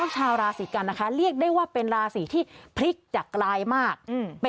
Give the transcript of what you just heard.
ชาวราศีกัญค่ะ